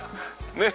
ねえ。